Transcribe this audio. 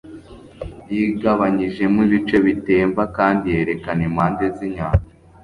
Yigabanyijemo ibice bitemba kandi yerekana impande zinyanja